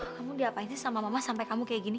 kamu diapain sih sama mama sampai kamu kayak gini